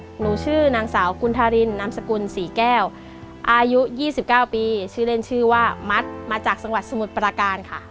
หนูชื่อนางสาวกุณธารินนามสกุลศรีแก้วอายุ๒๙ปีชื่อเล่นชื่อว่ามัดมาจากจังหวัดสมุทรปราการค่ะ